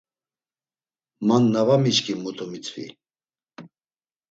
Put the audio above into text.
Man na va miçkin mutu mitzvi.